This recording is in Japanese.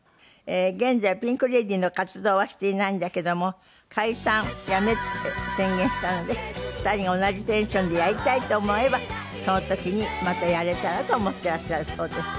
現在ピンク・レディーの活動はしていないんだけども「解散やめ！」って宣言したので２人が同じテンションでやりたいと思えばその時にまたやれたらと思っていらっしゃるそうです。